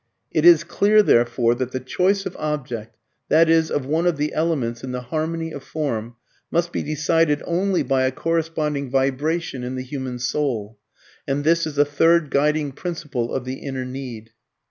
IT IS CLEAR, THEREFORE, THAT THE CHOICE OF OBJECT (i.e. OF ONE OF THE ELEMENTS IN THE HARMONY OF FORM) MUST BE DECIDED ONLY BY A CORRESPONDING VIBRATION IN THE HUMAN SOUL; AND THIS IS A THIRD GUIDING PRINCIPLE OF THE INNER NEED.